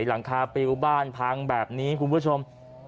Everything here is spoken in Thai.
หลังคาปิวบ้านพังแบบนี้คุณผู้ชม